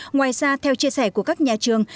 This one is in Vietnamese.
ngoài ra theo chia sẻ của các nhà trường